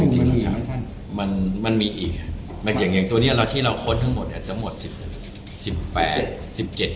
จริงมันมีอีกอย่างตัวนี้ที่เราค้นทั้งหมดเนี่ยสมมติ๑๘๑๗จุด